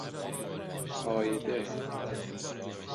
عایده